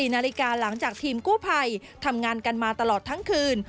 ๔นาฬิกาหลังจากทีมกู้ภัยทำงานกันมาตลอดทั้งคืน